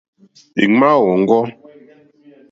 Èŋmáá wɔ̀ŋɡɔ́.